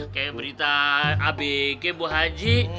kayak berita abg mau haji